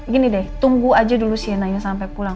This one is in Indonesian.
gini deh tunggu aja dulu sienna ini sampe pulang